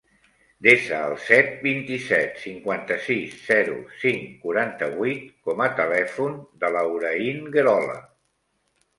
Desa el set, vint-i-set, cinquanta-sis, zero, cinc, quaranta-vuit com a telèfon de la Hoorain Guerola.